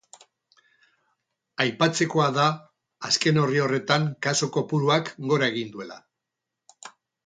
Aipatzekoa da azken herri horretan kasu kopuruak gora egin duela.